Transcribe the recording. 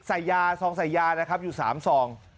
ยาซองใส่ยานะครับอยู่๓ซอง